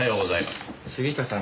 杉下さん